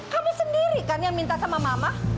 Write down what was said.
kamu sendiri kan yang minta sama mama